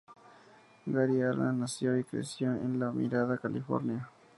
Gary Allan nació y creció en La Mirada, California.